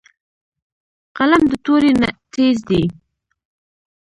قلم د تورې نه تېز دی